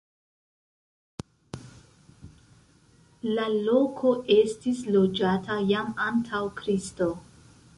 La loko estis loĝata jam antaŭ Kristo.